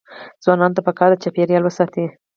ځوانانو ته پکار ده چې، چاپیریال وساتي.